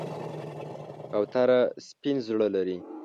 کوتره سپین زړه لري.